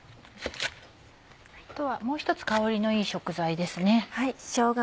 あとはもう１つ香りのいい食材ですね。